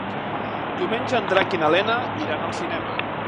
Diumenge en Drac i na Lena iran al cinema.